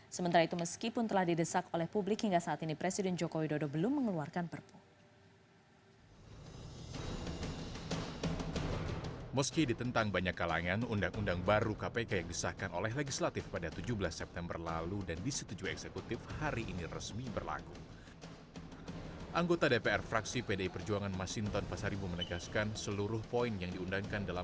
sementara itu meskipun telah didesak oleh publik hingga saat ini presiden joko widodo belum mengeluarkan perpul